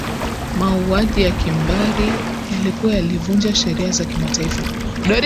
mauaji ya kimbari yalikuwa yalivunja sheria za kimataifa